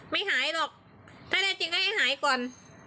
ไม่หายหรอกถ้าแน่จริงก็ให้หายก่อน